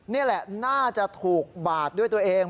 นี่แหละน่าจะถูกบาดด้วยตัวเอง